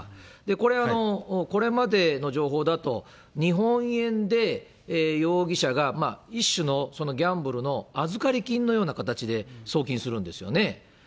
これ、これまでの情報だと、日本円で容疑者が一種のギャンブルの預かり金のような形で送金するんですよね。